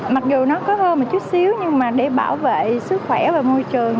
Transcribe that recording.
mặc dù nó có hơn một chút xíu nhưng mà để bảo vệ sức khỏe và môi trường